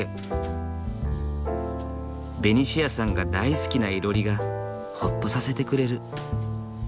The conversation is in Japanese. ベニシアさんが大好きな囲炉裏がほっとさせてくれる。